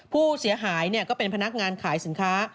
ผู้เสียหายก็เป็นพนักงานขายสินค้า